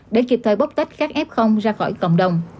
để kịp thời bóc tách các f ra khỏi cộng đồng